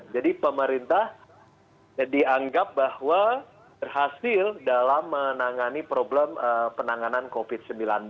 jadi pemerintah dianggap bahwa berhasil dalam menangani problem penanganan covid sembilan belas